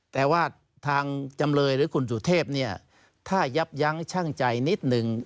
แต่ว่าทางจำเลยหรือคุณสุเทพเนี่ยถ้ายับยั้งชั่งใจนิดนึง